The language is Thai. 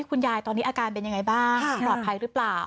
คุณยายตอนนี้อาการเป็นยังไงบ้างปลอดภัยหรือเปล่า